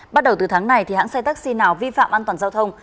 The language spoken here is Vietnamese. bắt đầu từ tháng này thì hãng xe taxi nào vi phạm an toàn giao thông